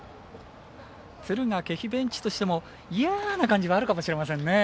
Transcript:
敦賀気比ベンチとしても嫌な感じはあるかもしれませんね。